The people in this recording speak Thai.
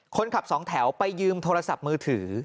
คนขับสองแถวไปยืมโทรศัพท์มือถือ